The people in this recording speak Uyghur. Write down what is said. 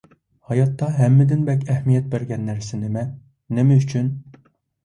ھاياتتا ھەممىدىن بەك ئەھمىيەت بەرگەن نەرسە نېمە؟ نېمە ئۈچۈن؟